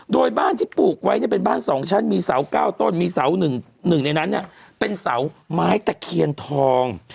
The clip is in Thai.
โดยบ้านที่ปลูกไว้เป็นบ้านสองชั้นมีเสาเก้าต้นมีเสาหนึ่งในนั้นเป็นเสาไม้ตะเคียนทอง